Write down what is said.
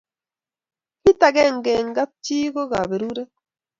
kit akenge eng kap chi ko kaberuret